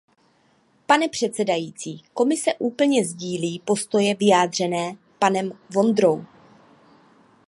Pane předsedající, Komise úplně sdílí postoje vyjádřené panem Vondrou.